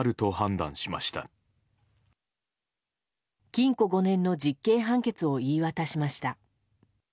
禁錮５年の実刑判決を言い渡しました。